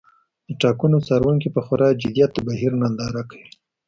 د ټاکنو څارونکي په خورا جدیت د بهیر ننداره کوي.